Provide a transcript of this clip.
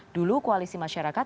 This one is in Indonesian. dulu koalisi masyarakat